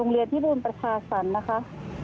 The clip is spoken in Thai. โรงเรียนที่บูรณ์ประชาชนนะคะ